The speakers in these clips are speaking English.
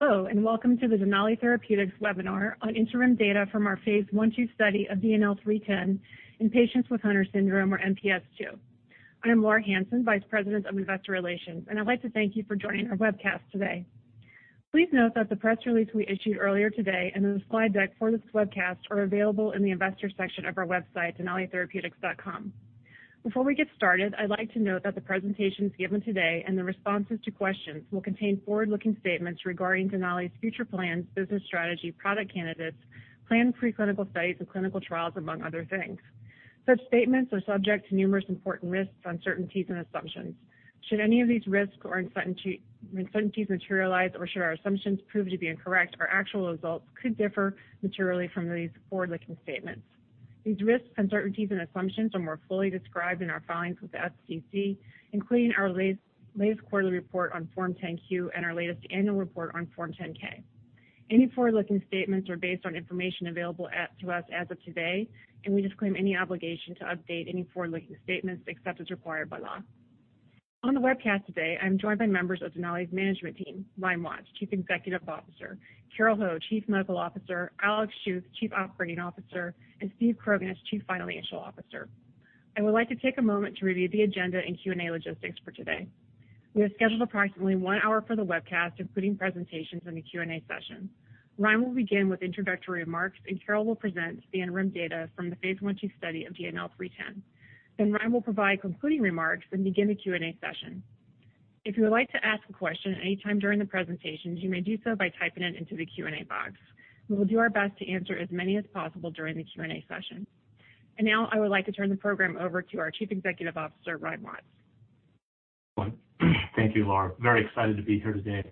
Hello, and welcome to the Denali Therapeutics webinar on interim data from our phase I/II study of DNL310 in patients with Hunter syndrome, or MPS II. I am Laura Hansen, Vice President, Investor Relations, and I'd like to thank you for joining our webcast today. Please note that the press release we issued earlier today, and then the slide deck for this webcast are available in the Investor section of our website, denalitherapeutics.com. Before we get started, I'd like to note that the presentations given today and the responses to questions will contain forward-looking statements regarding Denali's future plans, business strategy, product candidates, planned preclinical studies, and clinical trials, among other things. Such statements are subject to numerous important risks, uncertainties, and assumptions. Should any of these risks or uncertainties materialize, or should our assumptions prove to be incorrect, our actual results could differ materially from these forward-looking statements. These risks, uncertainties, and assumptions are more fully described in our filings with the SEC, including our latest quarterly report on Form 10-Q and our latest annual report on Form 10-K. Any forward-looking statements are based on information available to us as of today. We disclaim any obligation to update any forward-looking statements except as required by law. On the webcast today, I'm joined by members of Denali's management team, Ryan Watts, Chief Executive Officer, Carole Ho, Chief Medical Officer, Alexander Schuth, Chief Operating Officer, and Steve Krognes, Chief Financial Officer. I would like to take a moment to review the agenda and Q&A logistics for today. We have scheduled approximately one hour for the webcast, including presentations and the Q&A session. Ryan will begin with introductory remarks, and Carole will present the interim data from the phase I/II study of DNL310. Ryan will provide concluding remarks, then begin the Q&A session. If you would like to ask a question at any time during the presentations, you may do so by typing it into the Q&A box. We will do our best to answer as many as possible during the Q&A session. Now I would like to turn the program over to our Chief Executive Officer, Ryan Watts. Thank you, Laura. Very excited to be here today.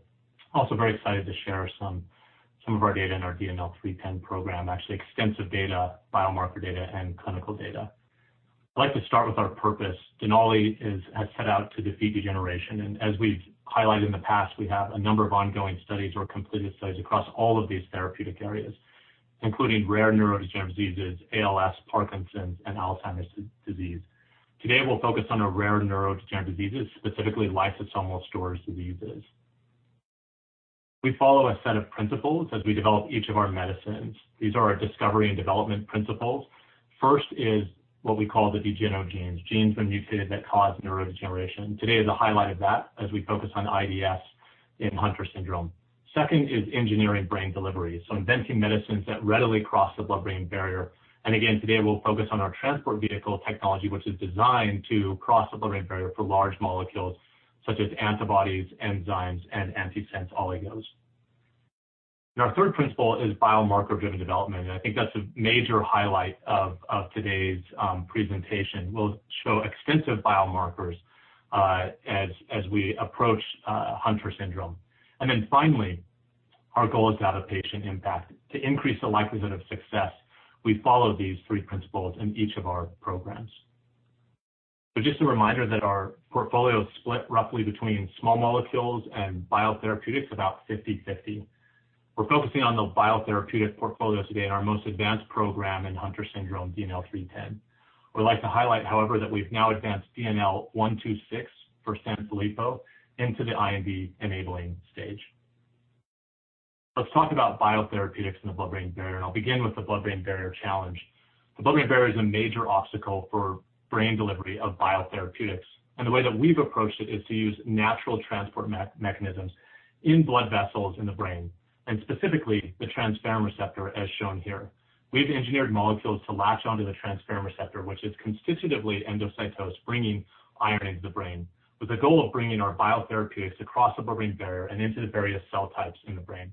Also very excited to share some of our data in our DNL310 program. Actually, extensive data, biomarker data, and clinical data. I'd like to start with our purpose. Denali has set out to defeat degeneration. As we've highlighted in the past, we have a number of ongoing studies or completed studies across all of these therapeutic areas, including rare neurodegenerative diseases, ALS, Parkinson's, and Alzheimer's disease. Today, we'll focus on the rare neurodegenerative diseases, specifically lysosomal storage diseases. We follow a set of principles as we develop each of our medicines. These are our discovery and development principles. First is what we call the degenogenes, genes when mutated that cause neurodegeneration. Today is a highlight of that as we focus on IDS in Hunter syndrome. Second is engineering brain delivery, so inventing medicines that readily cross the blood-brain barrier. Again, today we'll focus on our Transport Vehicle technology, which is designed to cross the blood-brain barrier for large molecules such as antibodies, enzymes, and antisense oligos. Our third principle is biomarker-driven development, and I think that's a major highlight of today's presentation. We'll show extensive biomarkers as we approach Hunter syndrome. Finally, our goal is to have a patient impact. To increase the likelihood of success, we follow these three principles in each of our programs. Just a reminder that our portfolio is split roughly between small molecules and biotherapeutics, about 50/50. We're focusing on the biotherapeutic portfolio today and our most advanced program in Hunter syndrome, DNL310. We'd like to highlight, however, that we've now advanced DNL126 for Sanfilippo into the IND-enabling stage. Let's talk about biotherapeutics and the blood-brain barrier, and I'll begin with the blood-brain barrier challenge. The blood-brain barrier is a major obstacle for brain delivery of biotherapeutics, and the way that we've approached it is to use natural transport mechanisms in blood vessels in the brain, and specifically the transferrin receptor, as shown here. We've engineered molecules to latch onto the transferrin receptor, which is constitutively endocytosed, bringing iron into the brain, with the goal of bringing our biotherapeutics across the blood-brain barrier and into the various cell types in the brain.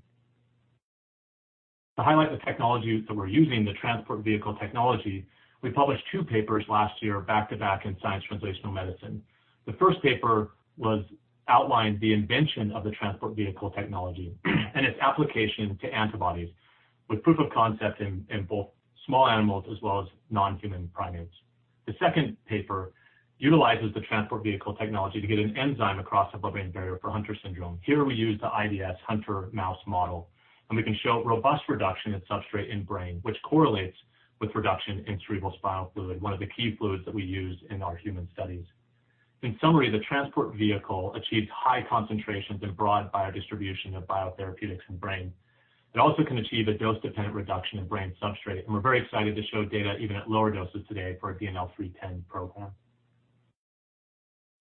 To highlight the technology that we're using, the Transport Vehicle technology, we published two papers last year back-to-back in "Science Translational Medicine." The first paper outlined the invention of the Transport Vehicle technology and its application to antibodies with proof of concept in both small animals as well as non-human primates. The second paper utilizes the Transport Vehicle technology to get an enzyme across the blood-brain barrier for Hunter syndrome. Here we use the IDS Hunter mouse model, we can show robust reduction in substrate in brain, which correlates with reduction in cerebral spinal fluid, one of the key fluids that we use in our human studies. In summary, the Transport Vehicle achieves high concentrations and broad biodistribution of biotherapeutics in brain. It also can achieve a dose-dependent reduction in brain substrate, we're very excited to show data even at lower doses today for our DNL310 program.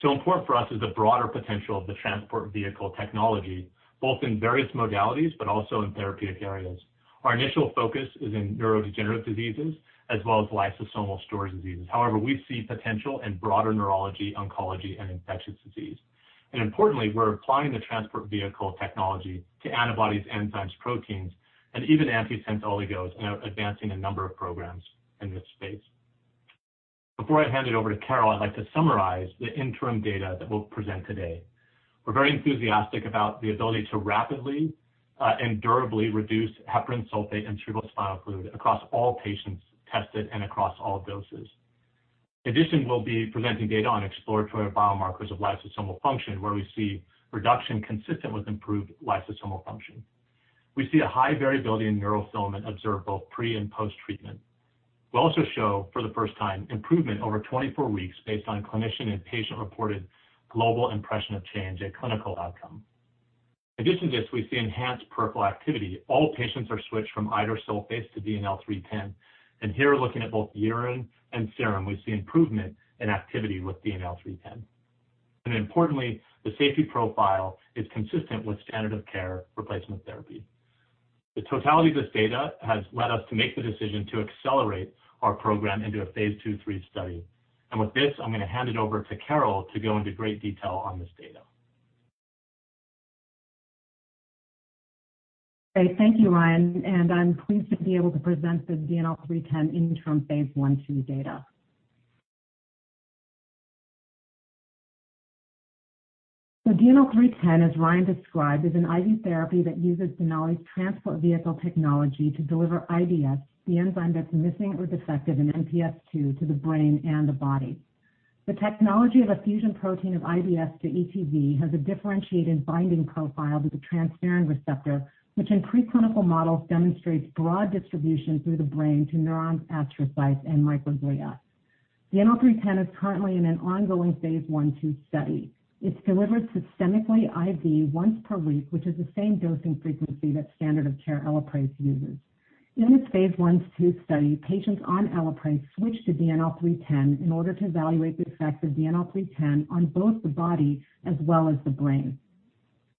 Important for us is the broader potential of the Transport Vehicle technology, both in various modalities but also in therapeutic areas. Our initial focus is in neurodegenerative diseases as well as lysosomal storage diseases. However, we see potential in broader neurology, oncology, and infectious disease. Importantly, we're applying the Transport Vehicle technology to antibodies, enzymes, proteins, and even antisense oligos and are advancing a number of programs in this space. Before I hand it over to Carole, I'd like to summarize the interim data that we'll present today. We're very enthusiastic about the ability to rapidly and durably reduce heparan sulfate in cerebrospinal fluid across all patients tested and across all doses. In addition, we'll be presenting data on exploratory biomarkers of lysosomal function, where we see reduction consistent with improved lysosomal function. We see a high variability in neurofilament observed both pre- and post-treatment. We also show, for the first time, improvement over 24 weeks based on clinician and patient-reported global impression of change at clinical outcome. In addition to this, we see enhanced peripheral activity. All patients are switched from idursulfase to DNL310, and here we're looking at both urine and serum. We see improvement in activity with DNL310. Importantly, the safety profile is consistent with standard of care replacement therapy. The totality of this data has led us to make the decision to accelerate our program into a phase II/III study. With this, I'm going to hand it over to Carole to go into great detail on this data. Great. Thank you, Ryan. I'm pleased to be able to present the DNL310 interim phase I/II data. DNL310, as Ryan described, is an IV therapy that uses Denali's Transport Vehicle technology to deliver IDS, the enzyme that's missing or defective in MPS II, to the brain and the body. The technology of a fusion protein of IDS to ETV has a differentiated binding profile to the transferrin receptor, which in preclinical models demonstrates broad distribution through the brain to neurons, astrocytes, and microglia. DNL310 is currently in an ongoing phase I/II study. It's delivered systemically IV once per week, which is the same dosing frequency that standard of care ELAPRASE uses. In this phase I/II study, patients on ELAPRASE switch to DNL310 in order to evaluate the effect of DNL310 on both the body as well as the brain.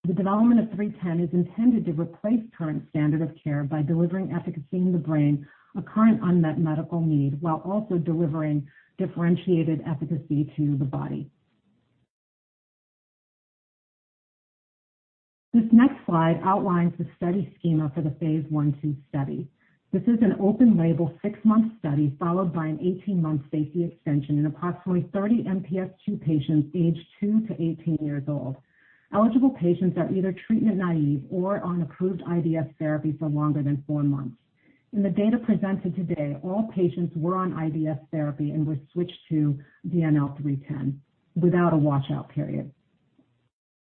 The development of DNL310 is intended to replace current standard of care by delivering efficacy in the brain, a current unmet medical need, while also delivering differentiated efficacy to the body. This next slide outlines the study schema for the phase I/II study. This is an open label six-month study followed by an 18-month safety extension in approximately 30 MPS II patients aged 2-18-years-old. Eligible patients are either treatment naive or on approved IDS therapy for longer than four months. In the data presented today, all patients were on IDS therapy and were switched to DNL310 without a washout period.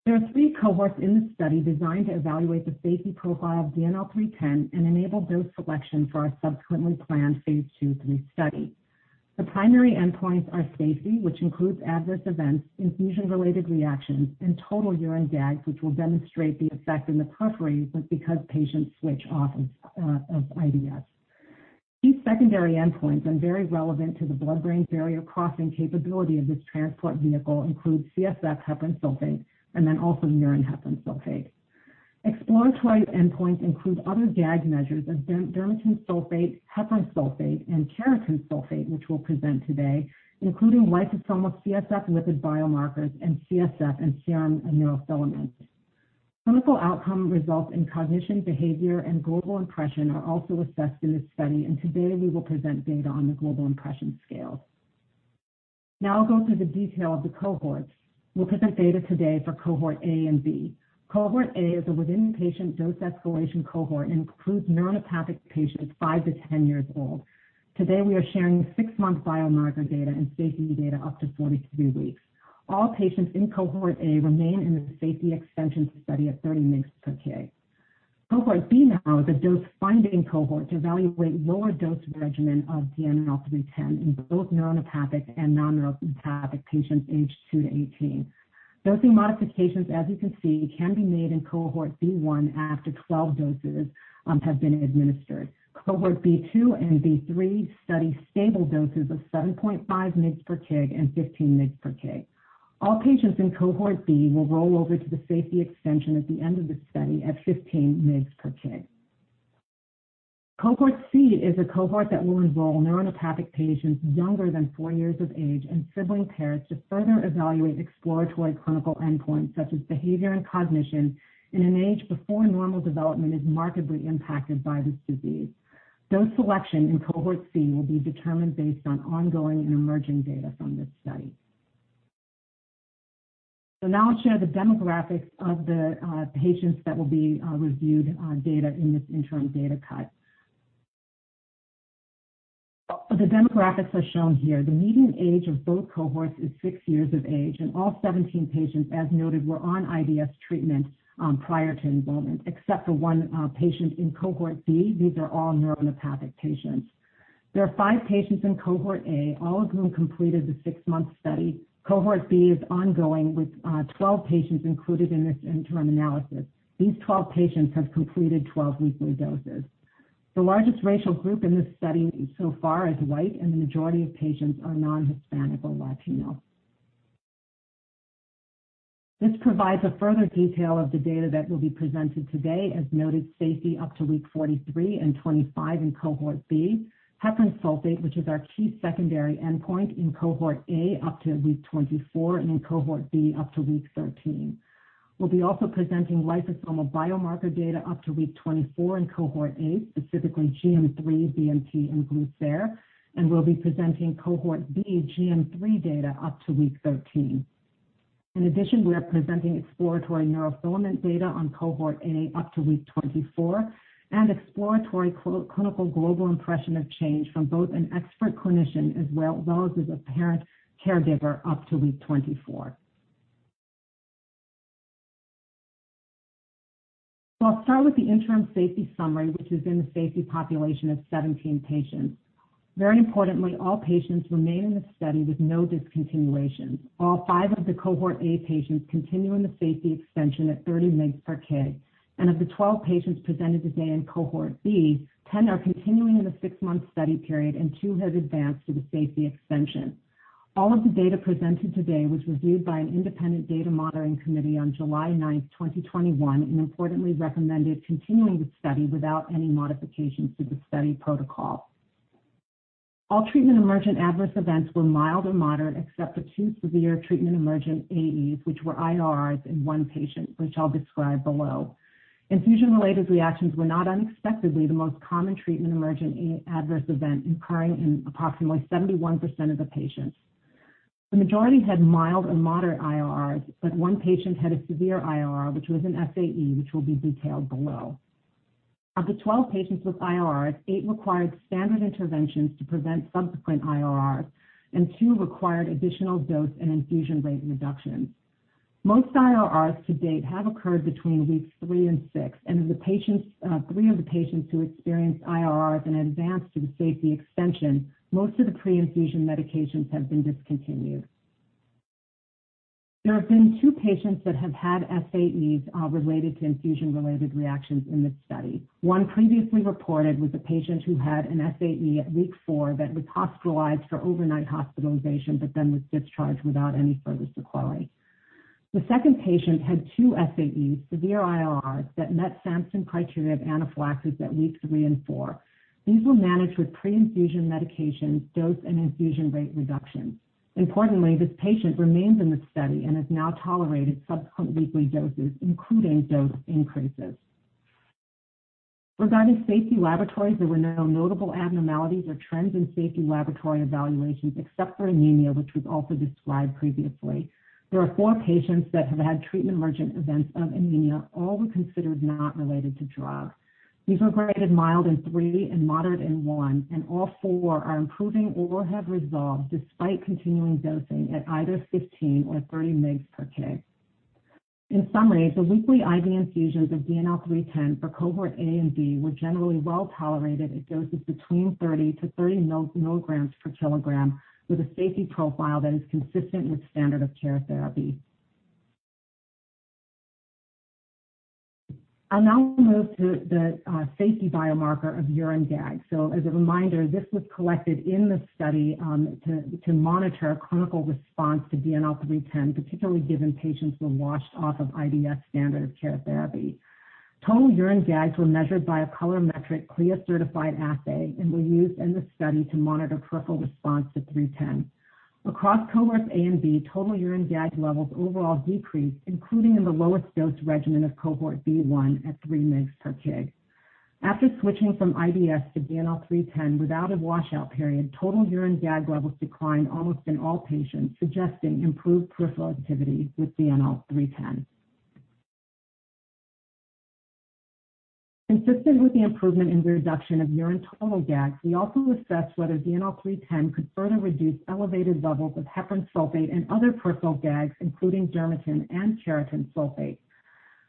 There are three cohorts in this study designed to evaluate the safety profile of DNL310 and enable dose selection for our subsequently planned phase II/III study. The primary endpoints are safety, which includes adverse events, infusion-related reactions, and total urine GAG, which will demonstrate the effect in the periphery. Because patients switch off of IDS. These secondary endpoints and very relevant to the blood-brain barrier crossing capability of this Transport Vehicle include CSF heparan sulfate and then also urine heparan sulfate. Exploratory endpoints include other GAG measures of dermatan sulfate, heparan sulfate, and keratan sulfate, which we'll present today, including lysosomal CSF lipid biomarkers and CSF and serum neurofilaments. Clinical outcome results in cognition, behavior, and global impression are also assessed in this study. Today we will present data on the global impression scale. I'll go through the detail of the cohorts. We'll present data today for Cohort A and B. Cohort A is a within-patient dose escalation cohort and includes neuronopathic patients 5-10 years old. Today, we are sharing six-month biomarker data and safety data up to 43 weeks. All patients in Cohort A remain in the safety extension study at 30 mg/kg. Cohort B now is a dose-finding cohort to evaluate lower dose regimen of DNL310 in both neuronopathic and non-neuronopathic patients aged 2-18. Dosing modifications, as you can see, can be made in Cohort B1 after 12 doses have been administered. Cohort B2 and B3 study stable doses of 7.5 mg/kg and 15 mg/kg. All patients in Cohort B will roll over to the safety extension at the end of the study at 15 mg/kg. Cohort C is a cohort that will enroll neuronopathic patients younger than four years of age and sibling pairs to further evaluate exploratory clinical endpoints, such as behavior and cognition, in an age before normal development is markedly impacted by this disease. Dose selection in Cohort C will be determined based on ongoing and emerging data from this study. Now I'll share the demographics of the patients that will be reviewed on data in this interim data cut. The demographics are shown here. The median age of both cohorts is six years of age, and all 17 patients, as noted, were on IDS treatment prior to enrollment, except for one patient in Cohort B. These are all neuronopathic patients. There are five patients in Cohort A, all of whom completed the six-month study. Cohort B is ongoing with 12 patients included in this interim analysis. These 12 patients have completed 12 weekly doses. The largest racial group in this study so far is white, and the majority of patients are non-Hispanic or Latino. This provides a further detail of the data that will be presented today. As noted, safety up to week 43 and 25 in Cohort B. Heparan sulfate, which is our key secondary endpoint in Cohort A up to week 24 and in Cohort B up to week 13. We'll be also presenting lysosomal biomarker data up to week 24 in Cohort A, specifically GM3, BMP, and GlcCer. We'll be presenting Cohort B GM3 data up to week 13. In addition, we are presenting exploratory neurofilament data on Cohort A up to week 24 and exploratory Clinical Global Impression Change from both an expert clinician as well as a parent/caregiver up to week 24. I'll start with the interim safety summary, which is in the safety population of 17 patients. Very importantly, all patients remain in the study with no discontinuation. All five of the Cohort A patients continue in the safety extension at 30 mg/kg, and of the 12 patients presented today in Cohort B, 10 are continuing in the six-month study period and two have advanced to the safety extension. All of the data presented today was reviewed by an independent data monitoring committee on July 9th, 2021, and importantly recommended continuing the study without any modifications to the study protocol. All treatment emergent adverse events were mild or moderate except for two severe treatment emergent AEs, which were IRRs in one patient, which I'll describe below. Infusion-related reactions were not unexpectedly the most common treatment emergent adverse event, occurring in approximately 71% of the patients. The majority had mild or moderate IRRs, but one patient had a severe IRR, which was an SAE, which will be detailed below. Of the 12 patients with IRRs, eight required standard interventions to prevent subsequent IRRs, and two required additional dose and infusion rate reductions. Most IRRs to date have occurred between weeks three and six, and of the three of the patients who experienced IRRs and advanced to the safety extension, most of the pre-infusion medications have been discontinued. There have been two patients that have had SAEs related to infusion-related reactions in this study. One previously reported was a patient who had an SAE at week four that was hospitalized for overnight hospitalization but then was discharged without any further sequelae. The second patient had two SAEs, severe IRRs, that met Sampson criteria of anaphylaxis at weeks three and four. These were managed with pre-infusion medications, dose and infusion rate reductions. Importantly, this patient remains in the study and has now tolerated subsequent weekly doses, including dose increases. Regarding safety laboratories, there were no notable abnormalities or trends in safety laboratory evaluations except for anemia, which was also described previously. There are four patients that have had treatment emergent events of anemia, all were considered not related to drug. These were graded mild in three and moderate in one, and all four are improving or have resolved despite continuing dosing at either 15 mg/kg or 30 mg/kg. In summary, the weekly IV infusions of DNL310 for Cohort A and B were generally well-tolerated at doses between 3mg/kg-30 mg/kg with a safety profile that is consistent with standard of care therapy. I now will move to the safety biomarker of urine GAG. As a reminder, this was collected in the study to monitor clinical response to DNL310, particularly given patients were washed off of IDS standard of care therapy. Total urine GAGs were measured by a colorimetric CLIA-certified assay and were used in the study to monitor peripheral response to DNL310. Across Cohorts A and B, total urine GAG levels overall decreased, including in the lowest dose regimen of Cohort B1 at 3 mg/kg. After switching from IDS to DNL310 without a washout period, total urine GAG levels declined almost in all patients, suggesting improved peripheral activity with DNL310. Consistent with the improvement in the reduction of urine total GAGs, we also assessed whether DNL310 could further reduce elevated levels of heparan sulfate and other peripheral GAGs, including dermatan and keratan sulfate.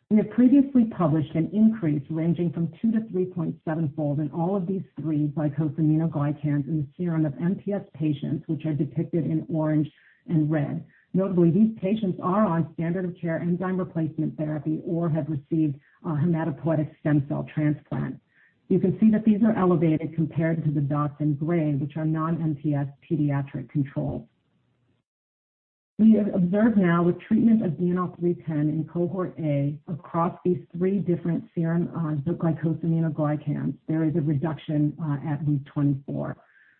We have previously published an increase ranging from two to 3.7-fold in all of these three glycosaminoglycans in the serum of MPS patients, which are depicted in orange and red. Notably, these patients are on standard of care enzyme replacement therapy or have received a hematopoietic stem cell transplant. You can see that these are elevated compared to the dots in gray, which are non-MPS pediatric controls. We have observed now with treatment of DNL310 in Cohort A across these three different serum glycosaminoglycans, there is a reduction at week 24.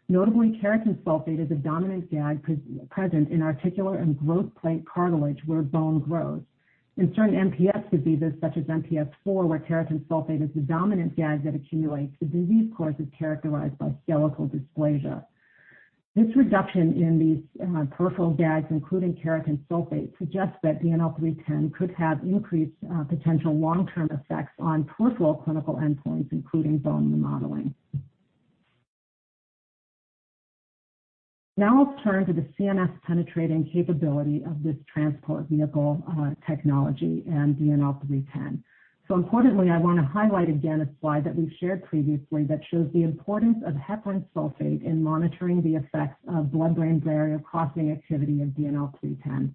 Notably, keratan sulfate is a dominant GAG present in articular and growth plate cartilage where bone grows. In certain MPS diseases such as MPS IV, where keratan sulfate is the dominant GAG that accumulates, the disease course is characterized by skeletal dysplasia. This reduction in these peripheral GAGs, including keratan sulfate, suggests that DNL310 could have increased potential long-term effects on peripheral clinical endpoints, including bone remodeling. Let's turn to the CNS penetrating capability of this Transport Vehicle technology and DNL310. Importantly, I wanna highlight again a slide that we've shared previously that shows the importance of heparan sulfate in monitoring the effects of blood-brain barrier crossing activity of DNL310.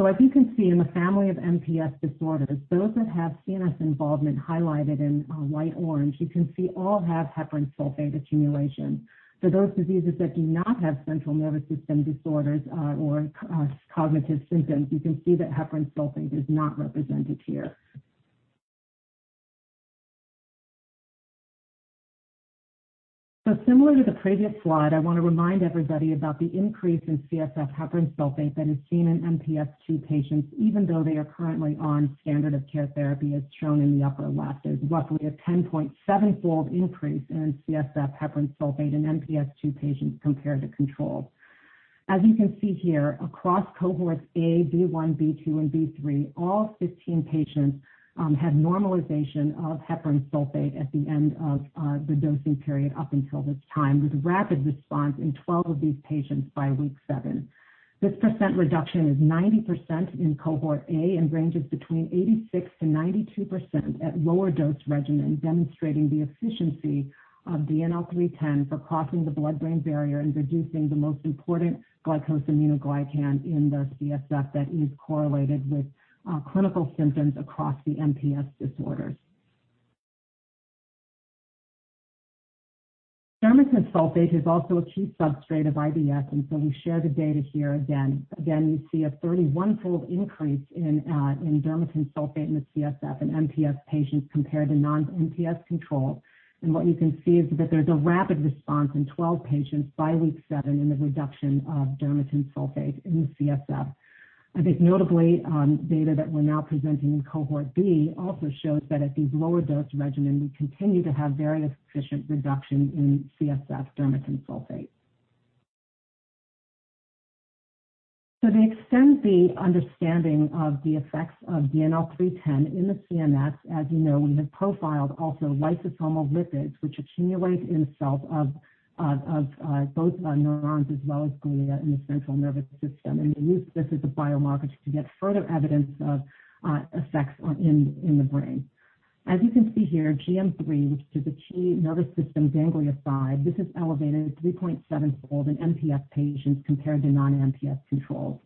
As you can see in the family of MPS disorders, those that have CNS involvement highlighted in light orange, you can see all have heparan sulfate accumulation. For those diseases that do not have central nervous system disorders or cognitive symptoms, you can see that heparan sulfate is not represented here. Similar to the previous slide, I want to remind everybody about the increase in CSF heparan sulfate that is seen in MPS II patients, even though they are currently on standard of care therapy, as shown in the upper left. There's roughly a 10.7-fold increase in CSF heparan sulfate in MPS II patients compared to controls. As you can see here across Cohorts A, B1, B2, and B3, all 15 patients had normalization of heparan sulfate at the end of the dosing period up until this time, with rapid response in 12 of these patients by week seven. This percent reduction is 90% in Cohort A and ranges between 86%-92% at lower dose regimen, demonstrating the efficiency of DNL310 for crossing the blood-brain barrier and reducing the most important glycosaminoglycan in the CSF that is correlated with clinical symptoms across the MPS disorders. Dermatan sulfate is also a key substrate of IDS, and so we share the data here again. Again, you see a 31-fold increase in dermatan sulfate in the CSF in MPS patients compared to non-MPS controls. What you can see is that there's a rapid response in 12 patients by week seven in the reduction of dermatan sulfate in the CSF. I think notably, data that we're now presenting in Cohort B also shows that at these lower dose regimen, we continue to have very efficient reduction in CSF dermatan sulfate. To extend the understanding of the effects of DNL310 in the CNS, as you know, we have profiled also lysosomal lipids, which accumulate in cells of both neurons as well as glia in the central nervous system, and we use this as a biomarker to get further evidence of effects in the brain. As you can see here, GM3, which is a key nervous system ganglioside, this is elevated 3.7-fold in MPS patients compared to non-MPS controls.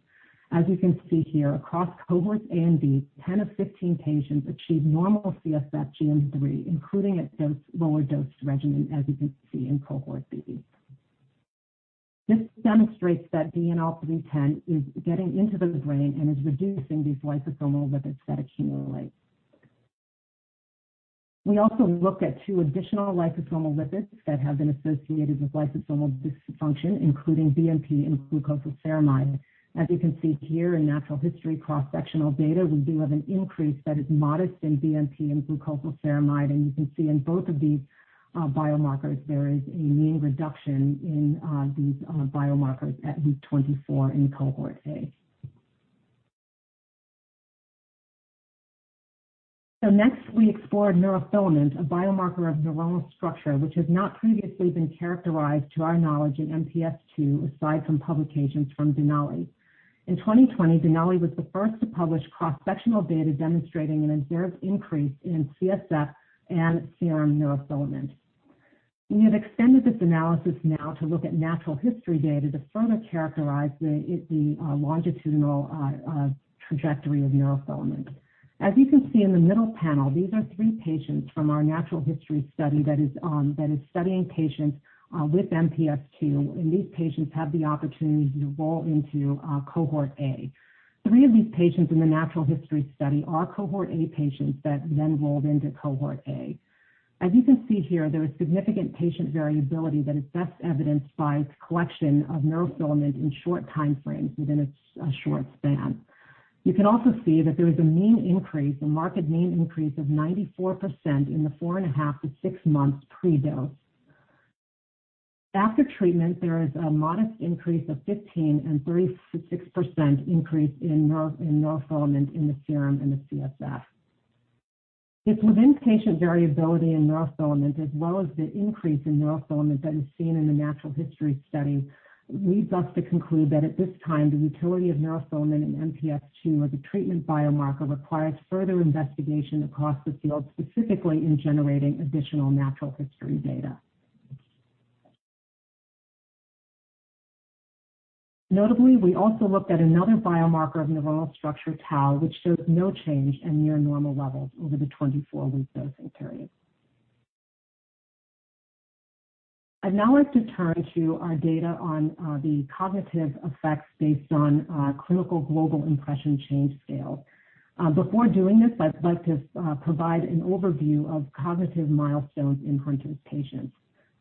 As you can see here, across Cohorts A and B, 10 of 15 patients achieved normal CSF GM3, including at lower dose regimen, as you can see in Cohort B. This demonstrates that DNL310 is getting into the brain and is reducing these lysosomal lipids that accumulate. We also look at two additional lysosomal lipids that have been associated with lysosomal dysfunction, including BMP and glucosylceramide. As you can see here in natural history cross-sectional data, we do have an increase that is modest in BMP and glucosylceramide, and you can see in both of these biomarkers, there is a mean reduction in these biomarkers at week 24 in Cohort A. Next, we explored neurofilament, a biomarker of neuronal structure which has not previously been characterized, to our knowledge, in MPS II, aside from publications from Denali. In 2020, Denali was the first to publish cross-sectional data demonstrating an observed increase in CSF and serum neurofilament. We have extended this analysis now to look at natural history data to further characterize the longitudinal trajectory of neurofilament. As you can see in the middle panel, these are three patients from our natural history study that is studying patients with MPS II, and these patients have the opportunity to enroll into Cohort A. Three of these patients in the natural history study are Cohort A patients that then enrolled into Cohort A. As you can see here, there is significant patient variability that is best evidenced by collection of neurofilament in short time frames within a short span. You can also see that there is a mean increase, a marked mean increase of 94% in the four and a half to six months pre-dose. After treatment, there is a modest increase of 15% and 36% increase in neurofilament in the serum and the CSF. It's within patient variability in neurofilament, as well as the increase in neurofilament that is seen in the natural history study, leads us to conclude that at this time, the utility of neurofilament in MPS II as a treatment biomarker requires further investigation across the field, specifically in generating additional natural history data. Notably, we also looked at another biomarker of neuronal structure, tau, which shows no change in near normal levels over the 24-week dosing period. I'd now like to turn to our data on the cognitive effects based on Clinical Global Impression Change Scale. Before doing this, I'd like to provide an overview of cognitive milestones in Hunter's patients.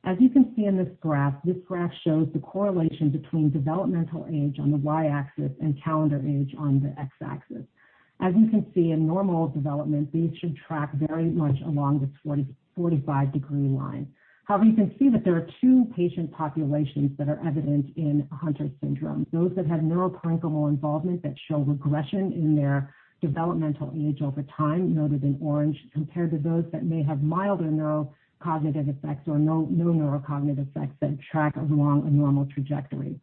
As you can see in this graph, this graph shows the correlation between developmental age on the Y-axis and calendar age on the X-axis. As you can see, in normal development, these should track very much along the 45 degree line. You can see that there are two patient populations that are evident in Hunter syndrome. Those that have neural parenchymal involvement that show regression in their developmental age over time, noted in orange, compared to those that may have mild or no cognitive effects or no neurocognitive effects that track along a normal trajectory.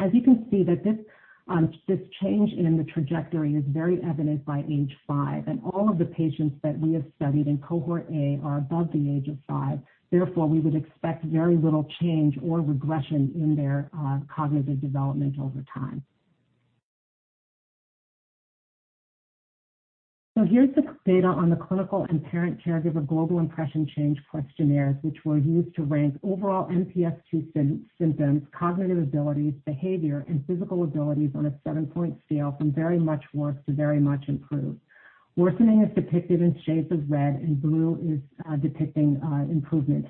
As you can see that this change in the trajectory is very evident by age five, and all of the patients that we have studied in Cohort A are above the age of five. We would expect very little change or regression in their cognitive development over time. Here's the data on the clinical and parent/caregiver Global Impression Change questionnaires, which were used to rank overall MPS II symptoms, cognitive abilities, behavior, and physical abilities on a seven-point scale from very much worse to very much improved. Worsening is depicted in shades of red, and blue is depicting improvement.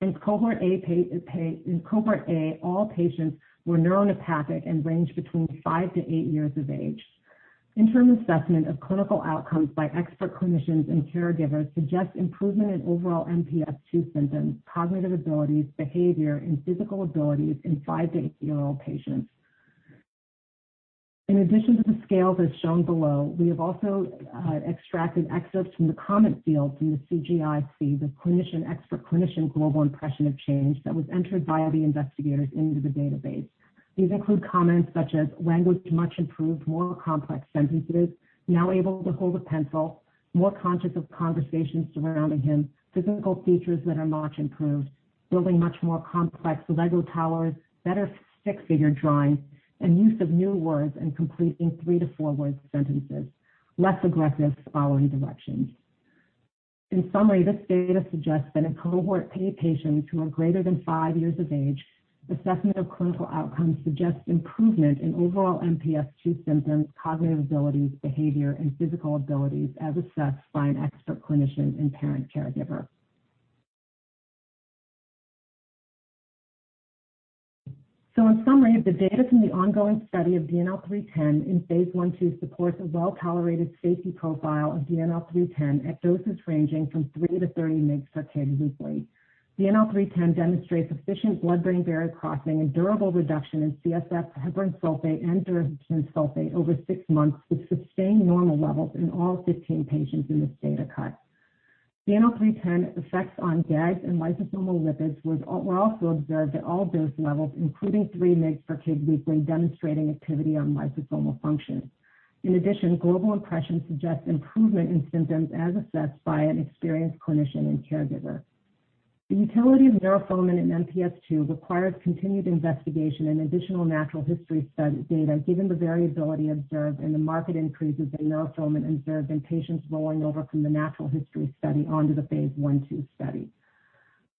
In Cohort A, all patients were neuronopathic and ranged between five to eight years of age. Interim assessment of clinical outcomes by expert clinicians and caregivers suggests improvement in overall MPS II symptoms, cognitive abilities, behavior, and physical abilities in 5 to 18-year-old patients. In addition to the scales as shown below, we have also extracted excerpts from the comment field in the CGI-C, the expert clinician global impression of change that was entered by the investigators into the database. These include comments such as language much improved, more complex sentences, now able to hold a pencil, more conscious of conversations surrounding him, physical features that are much improved, building much more complex Lego towers, better stick figure drawings, and use of new words and completing three to four word sentences, less aggressive following directions. In summary, this data suggests that in Cohort A patients who are greater than five years of age, assessment of clinical outcomes suggests improvement in overall MPS II symptoms, cognitive abilities, behavior, and physical abilities as assessed by an expert clinician and parent/caregiver. In summary, the data from the ongoing study of DNL310 in phase I/II supports a well-tolerated safety profile of DNL310 at doses ranging from 3 mg/kg-30 mg/kg weekly. DNL310 demonstrates sufficient blood-brain barrier crossing and durable reduction in CSF heparan sulfate and dermatan sulfate over six months, with sustained normal levels in all 15 patients in this data cut. DNL310 effects on GAGs and lysosomal lipids were also observed at all dose levels, including 3 mg/kg weekly demonstrating activity on lysosomal function. In addition, global impressions suggest improvement in symptoms as assessed by an experienced clinician and caregiver. The utility of neurofilament in MPS II requires continued investigation and additional natural history study data given the variability observed in the marked increases in neurofilament observed in patients rolling over from the natural history study onto the phase I/II study.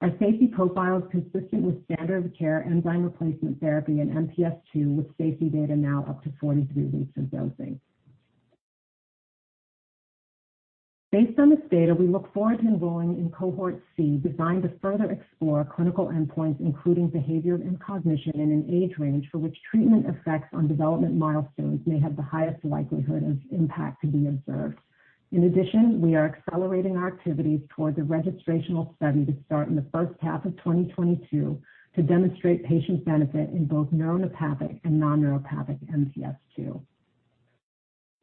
Our safety profile is consistent with standard of care enzyme replacement therapy in MPS II, with safety data now up to 43 weeks of dosing. Based on this data, we look forward to enrolling in Cohort C, designed to further explore clinical endpoints, including behavior and cognition in an age range for which treatment effects on development milestones may have the highest likelihood of impact to be observed. In addition, we are accelerating our activities toward the registrational study to start in the first half of 2022 to demonstrate patient benefit in both neuronopathic and non-neuronopathic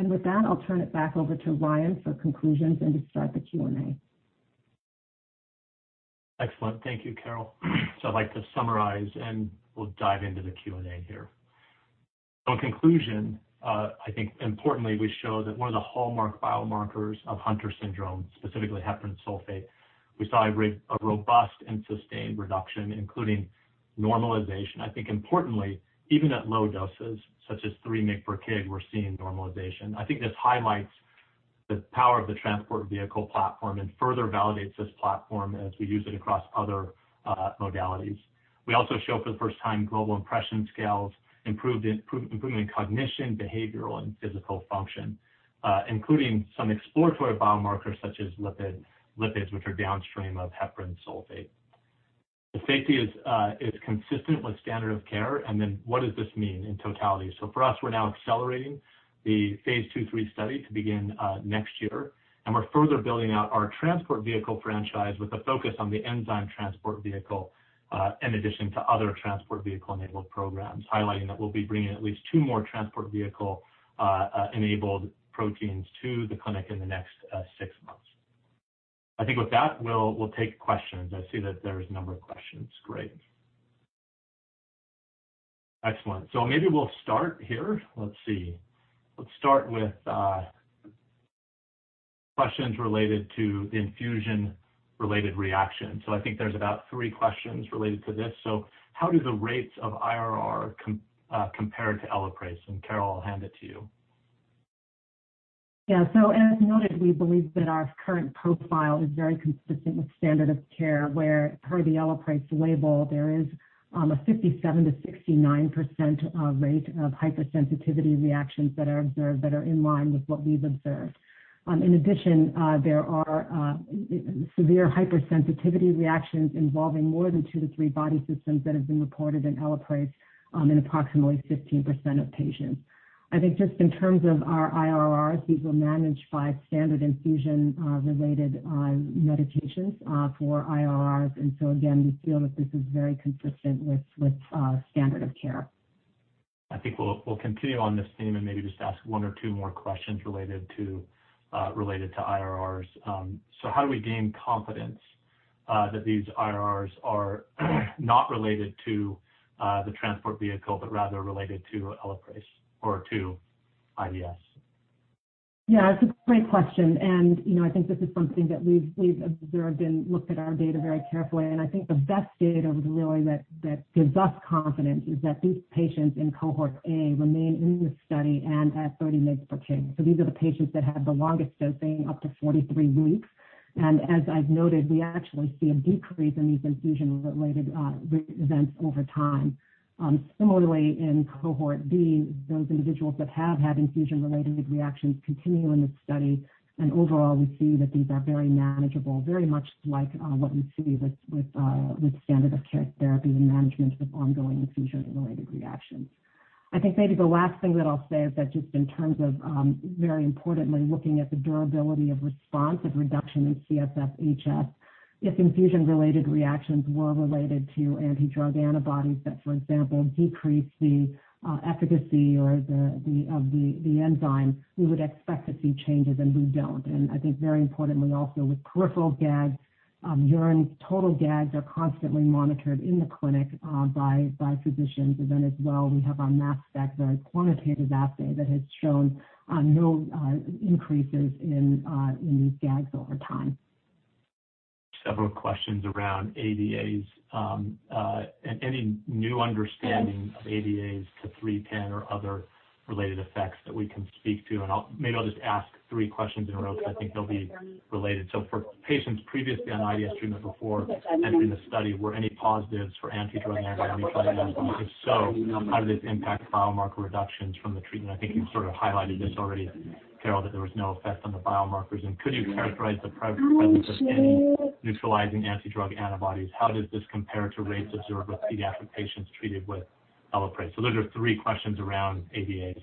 MPS II. With that, I'll turn it back over to Ryan for conclusions and to start the Q&A. Excellent. Thank you, Carole. I'd like to summarize, and we'll dive into the Q&A here. In conclusion, I think importantly, we show that one of the hallmark biomarkers of Hunter syndrome, specifically heparan sulfate, we saw a robust and sustained reduction, including normalization. I think importantly, even at low doses, such as 3 mg/kg, we're seeing normalization. I think this highlights the power of the Transport Vehicle platform and further validates this platform as we use it across other modalities. We also show for the first time global impression scales, improvement in cognition, behavioral, and physical function, including some exploratory biomarkers such as lipids, which are downstream of heparan sulfate. The safety is consistent with standard of care, and then what does this mean in totality? For us, we're now accelerating the phase II/III study to begin next year, and we're further building out our Transport Vehicle franchise with a focus on the enzyme Transport Vehicle, in addition to other Transport Vehicle-enabled programs, highlighting that we'll be bringing at least two more Transport Vehicle-enabled proteins to the clinic in the next six months. I think with that, we'll take questions. I see that there is a number of questions. Great. Excellent. Maybe we'll start here. Let's see. Let's start with questions related to infusion-related reactions. I think there's about three questions related to this. How do the rates of IRR compare to ELAPRASE? Carole, I'll hand it to you. As noted, we believe that our current profile is very consistent with standard of care, where per the ELAPRASE label, there is a 57%-69% rate of hypersensitivity reactions that are observed that are in line with what we've observed. In addition, there are severe hypersensitivity reactions involving more than two to three body systems that have been reported in ELAPRASE in approximately 15% of patients. I think just in terms of our IRRs, these were managed by standard infusion-related medications for IRRs, again, we feel that this is very consistent with standard of care. I think we'll continue on this theme and maybe just ask one or two more questions related to IRRs. How do we gain confidence that these IRRs are not related to the Transport Vehicle, but rather related to ELAPRASE or to IDS? Yeah. That's a great question, and I think this is something that we've observed and looked at our data very carefully, and I think the best data really that gives us confidence is that these patients in Cohort A remain in the study and at 30 mg/kg. These are the patients that had the longest dosing, up to 43 weeks. As I've noted, we actually see a decrease in these infusion-related events over time. Similarly, in Cohort B, those individuals that have had infusion-related reactions continue in the study, and overall, we see that these are very manageable, very much like what we see with standard of care therapy and management of ongoing infusion-related reactions. I think maybe the last thing that I'll say is that just in terms of very importantly looking at the durability of response of reduction in CSF HS, if infusion-related reactions were related to Anti-Drug Antibodies that, for example, decrease the efficacy of the enzyme, we would expect to see changes, and we don't. I think very importantly also with peripheral GAG, urine total GAGs are constantly monitored in the clinic by physicians. Then as well, we have our Mass Spectrometry, very quantitative assay that has shown no increases in these GAGs over time. Several questions around ADAs, and any new understanding of ADAs to DNL310 or other related effects that we can speak to. Maybe I'll just ask three questions in a row because I think they'll be related. For patients previously on IDS treatment before entering the study, were any positives for Anti-Drug Antibodies found? If so, how did this impact biomarker reductions from the treatment? I think you sort of highlighted this already, Carole, that there was no effect on the biomarkers. Could you characterize the presence of any neutralizing Anti-Drug Antibodies? How does this compare to rates observed with pediatric patients treated with ELAPRASE? Those are three questions around ADAs.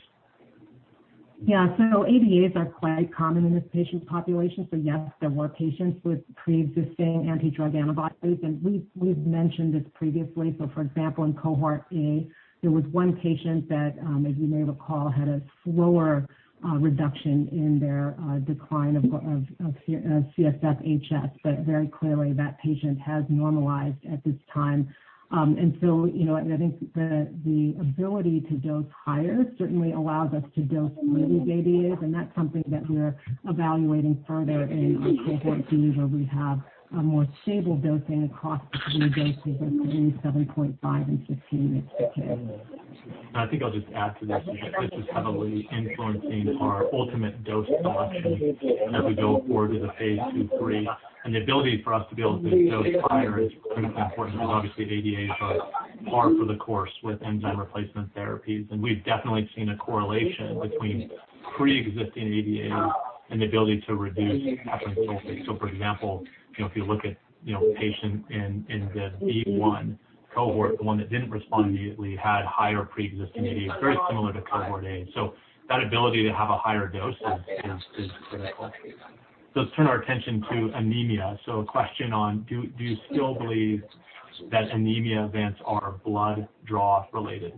Yeah. ADAs are quite common in this patient population. Yes, there were patients with preexisting Anti-Drug Antibodies, and we've mentioned this previously. For example, in Cohort A, there was one patient that, as you may recall, had a slower reduction in their decline of CSF HS. Very clearly, that patient has normalized at this time. I think the ability to dose higher certainly allows us to dose through these ADAs, and that's something that we're evaluating further in our Cohort B, where we have a more stable dosing across the three doses of 3 mg/kg, 7.5 mg/kg and 15 mg/kg. I think I'll just add to that this is heavily influencing our ultimate dose selection as we go forward to the phase II/III. The ability for us to be able to dose higher is critically important because obviously ADAs are par for the course with enzyme replacement therapies. We've definitely seen a correlation between preexisting ADAs and the ability to reduce heparan sulfate. For example, if you look at patients in the B1 Cohort, the one that didn't respond immediately had higher preexisting ADAs, very similar to Cohort A. That ability to have a higher dose is critical. Let's turn our attention to anemia. A question on, do you still believe that anemia events are blood draw related?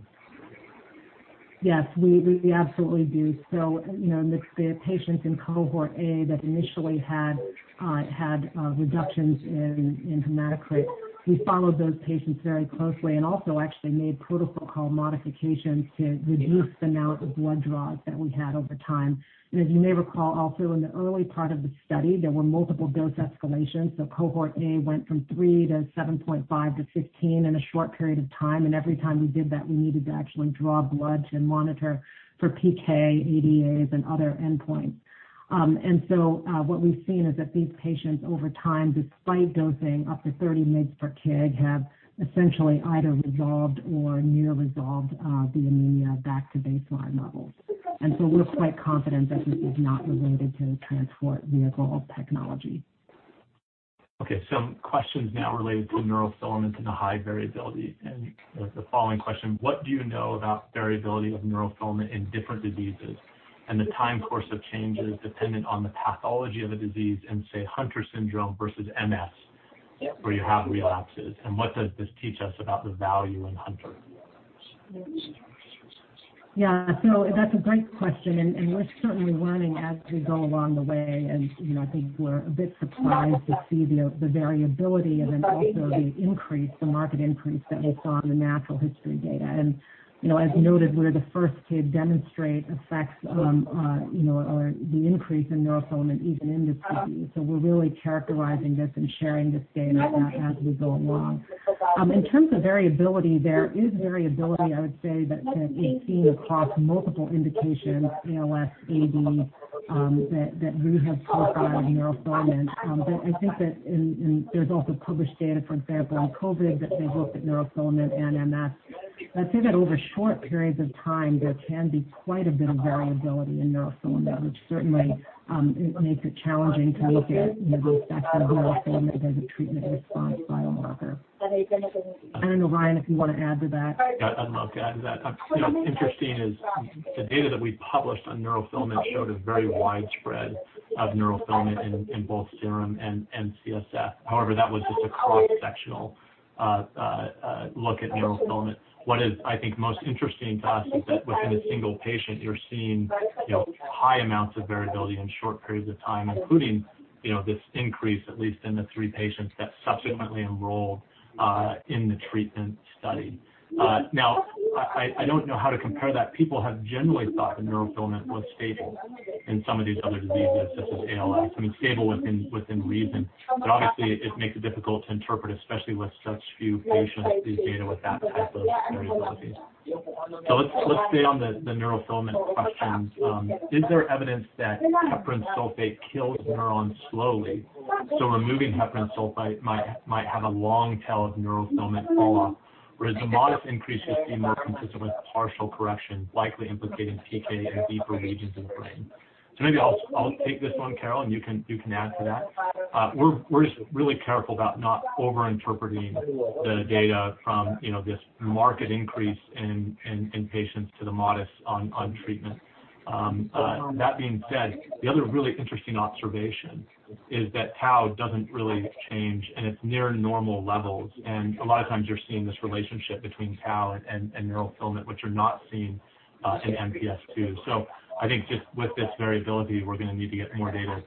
Yes, we absolutely do. The patients in Cohort A that initially had reductions in hematocrit, we followed those patients very closely and also actually made protocol modifications to reduce the amount of blood draws that we had over time. As you may recall, also in the early part of the study, there were multiple dose escalations. Cohort A went from 3 mg/kg to 7.5 mg/kg to 15 mg/kg in a short period of time. Every time we did that, we needed to actually draw blood to monitor for PK, ADAs, and other endpoints. What we've seen is that these patients over time, despite dosing up to 30 mg/kg, have essentially either resolved or near resolved the anemia back to baseline levels. We're quite confident that this is not related to the Transport Vehicle technology. Okay. Some questions now related to neurofilament and the high variability. The following question, what do you know about variability of neurofilament in different diseases, and the time course of change is dependent on the pathology of the disease in, say, Hunter syndrome versus MS, where you have relapses. What does this teach us about the value in Hunter? Yeah. That's a great question, and we're certainly learning as we go along the way. I think we're a bit surprised to see the variability and then also the marked increase that we saw in the natural history data. As you noted, we're the first to demonstrate effects or the increase in neurofilament even in this study. We're really characterizing this and sharing this data as we go along. In terms of variability, there is variability, I would say, that can be seen across multiple indications, ALS, AD, that really have profile neurofilament. I think that there's also published data, for example, in COVID, that they looked at neurofilament and MS. I'd say that over short periods of time, there can be quite a bit of variability in neurofilament, which certainly makes it challenging to look at neurofilament as a treatment response biomarker. I don't know, Ryan, if you want to add to that. I'd love to add to that. What's interesting is the data that we published on neurofilament showed a very wide spread of neurofilament in both serum and CSF. However, that was just a cross-sectional look at neurofilament. What is I think most interesting to us is that within a single patient, you're seeing high amounts of variability in short periods of time, including this increase, at least in the three patients that subsequently enrolled in the treatment study. Now, I don't know how to compare that. People have generally thought that neurofilament was stable in some of these other diseases, such as ALS. I mean, stable within reason. Obviously, it makes it difficult to interpret, especially with such few patients, these data with that type of variability. Let's stay on the neurofilament question. Is there evidence that heparan sulfate kills neurons slowly? Removing heparan sulfate might have a long tail of neurofilament fall off, whereas a modest increase would be more consistent with partial correction, likely implicating PK in deeper regions of the brain. Maybe I'll take this one, Carole, and you can add to that. We're just really careful about not over-interpreting the data from this market increase in patients to the modest on treatment. That being said, the other really interesting observation is that tau doesn't really change, and it's near normal levels. A lot of times you're seeing this relationship between tau and neurofilament, which you're not seeing in MPS II. I think just with this variability, we're going to need to get more data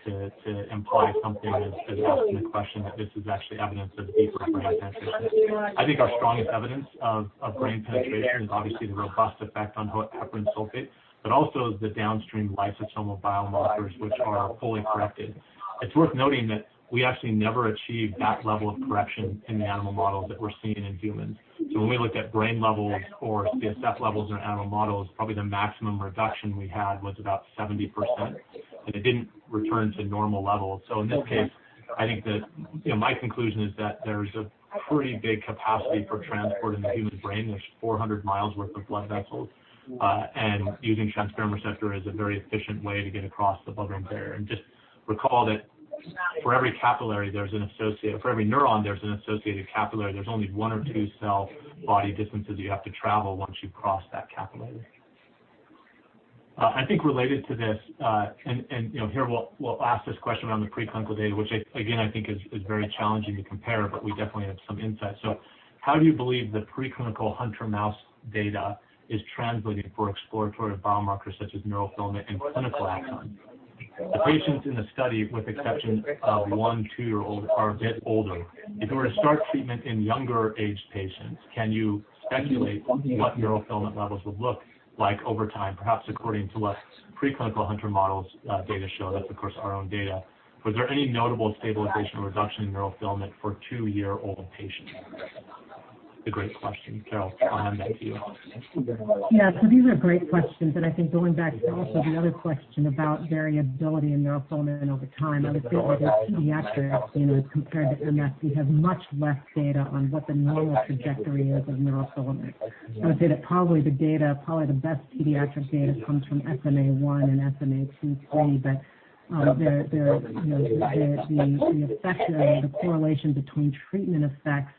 to imply something that is asking the question that this is actually evidence of deeper brain penetration. I think our strongest evidence of brain penetration is obviously the robust effect on heparan sulfate, but also the downstream lysosomal biomarkers, which are fully corrected. It's worth noting that we actually never achieved that level of correction in the animal model that we're seeing in humans. When we looked at brain levels or CSF levels in animal models, probably the maximum reduction we had was about 70%, and it didn't return to normal levels. In this case, I think that my conclusion is that there's a pretty big capacity for transport in the human brain. There's 400 mi worth of blood vessels. Using transferrin receptor is a very efficient way to get across the blood-brain barrier. Just recall that for every neuron, there's an associated capillary. There's only one or two cell body distances you have to travel once you cross that capillary. I think related to this, and here, we'll ask this question around the preclinical data, which again, I think is very challenging to compare, but we definitely have some insight. How do you believe the preclinical Hunter mouse data is translated for exploratory biomarkers such as neurofilament and clinical outcome? The patients in the study, with exception of one, two-year-old, are a bit older. If you were to start treatment in younger age patients, can you speculate what neurofilament levels would look like over time, perhaps according to what preclinical Hunter models data show? That's, of course, our own data. Was there any notable stabilization or reduction in neurofilament for two-year-old patients? It's a great question, Carole. I'll hand that to you. Yeah. These are great questions, and I think going back to also the other question about variability in neurofilament over time, I would say that pediatrics, as compared to MS, we have much less data on what the normal trajectory is of neurofilament. I would say that probably the best pediatric data comes from SMA1 and SMA2, SMA3. The effect or the correlation between treatment effects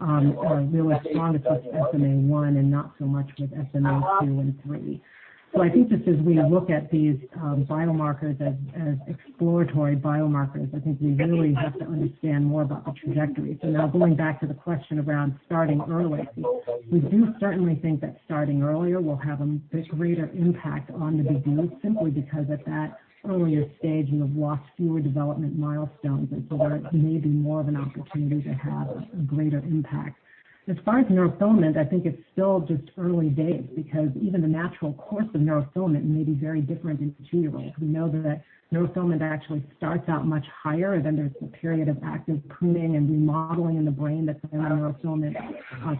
are really strong with just SMA1 and not so much with SMA2 and SMA3. I think just as we look at these biomarkers as exploratory biomarkers, I think we really have to understand more about the trajectory. Now going back to the question around starting early, we do certainly think that starting earlier will have a greater impact on the disease, simply because at that earlier stage, you have lost fewer development milestones, and so there may be more of an opportunity to have a greater impact. As far as neurofilament, I think it's still just early days, because even the natural course of neurofilament may be very different in G rays. We know that neurofilament actually starts out much higher, then there's a period of active pruning and remodeling in the brain that the neurofilament